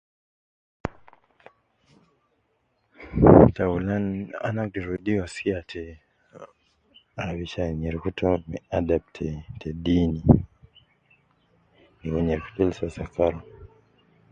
Taulan ana agder wedi wasiya te ,arisha nyereku to me adab te te deeni, ligo nyereku de Lisa sakar